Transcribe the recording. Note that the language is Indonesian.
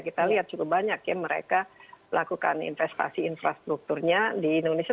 kita lihat cukup banyak ya mereka melakukan investasi infrastrukturnya di indonesia